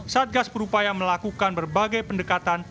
satgas berupaya melakukan berbagai pendekatan